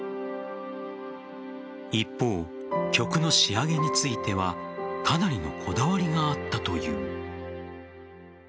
一方、曲の仕上げについてはかなりのこだわりがあったという。